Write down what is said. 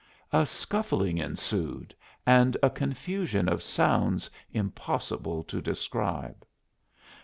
A scuffling ensued, and a confusion of sounds impossible to describe.